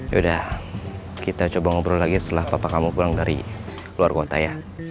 yaudah kita coba ngobrol lagi setelah papa kamu pulang dari luar kota ya